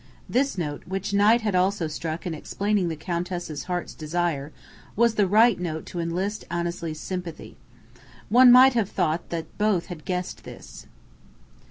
This note, which Knight also had struck in explaining the Countess's "heart's desire," was the right note to enlist Annesley's sympathy. One might have thought that both had guessed this.